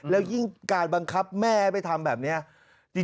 แล้วยิ่งการบังคับแม่ให้ไปทำแบบนี้